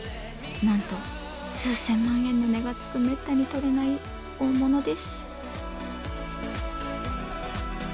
なんと数千万円の値がつくめったにとれない大物です。